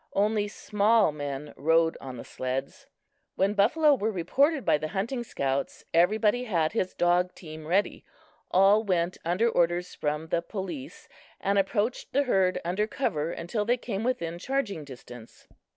Only small men rode on the sleds. When buffalo were reported by the hunting scouts, everybody had his dog team ready. All went under orders from the police, and approached the herd under cover until they came within charging distance.